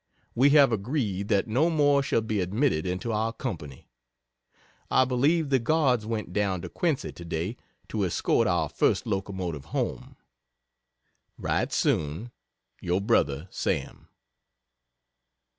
We have agreed that no more shall be admitted into our company. I believe the Guards went down to Quincy today to escort our first locomotive home. Write soon. Your Brother, SAM.